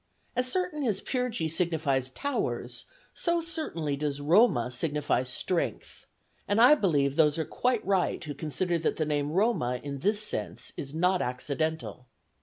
As certain as Pyrgi signifies "towers," so certainly does Roma signify "strength," and I believe that those are quite right who consider that the name Roma in this sense is not accidental.